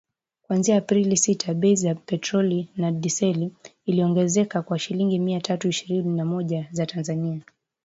Kuanzia Aprili sita, bei ya petroli na dizeli iliongezeka kwa shilingi mia tatu ishirini na moja za Tanzania.